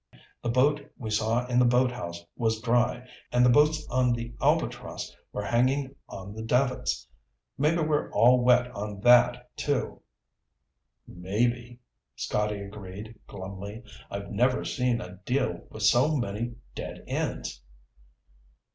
The boat we saw in the boathouse was dry, and the boats on the Albatross were hanging on the davits. Maybe we're all wet on that, too." "Maybe," Scotty agreed glumly. "I've never seen a deal with so many dead ends."